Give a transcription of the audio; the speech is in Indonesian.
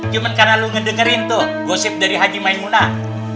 cuman karena lo ngedengerin tuh gosip dari hagi maimunah